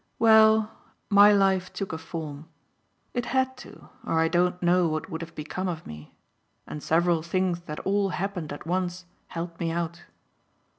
"Well, my life took a form. It had to, or I don't know what would have become of me, and several things that all happened at once helped me out.